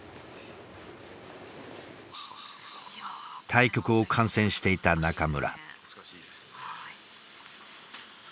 対局を観戦していた中村。